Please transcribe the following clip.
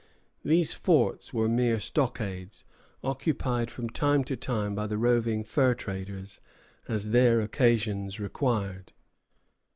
These forts were mere stockades, occupied from time to time by the roving fur traders as their occasions required.